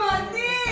jangan lagi jadi mati